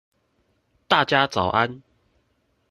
大家早安